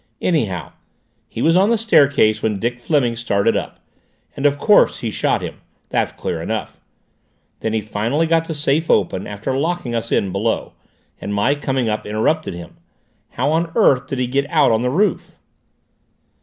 Anyhow, he was on the small staircase when Dick Fleming started up, and of course he shot him. That's clear enough. Then he finally got the safe open, after locking us in below, and my coming up interrupted him. How on earth did he get out on the roof?"